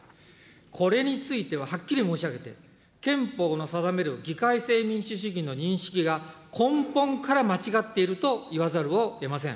これについてははっきり申し上げて、憲法の定める議会制民主主義の認識が根本から間違っていると言わざるをえません。